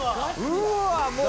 うわもう。